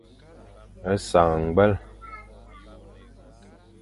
Sañ ñgwel.